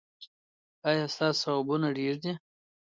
ایا ستاسو ثوابونه ډیر دي؟